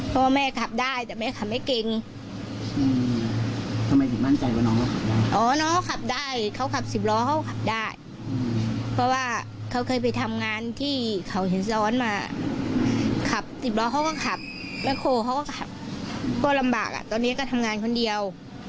เนี่ยมันจะทำวันทำงานคนเดียว